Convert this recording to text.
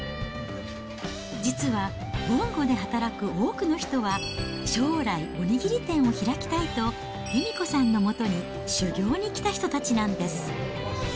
実は、ぼんごで働く多くの人は、将来、お握り店を開きたいと、由美子さんのもとに修業に来た人たちなんです。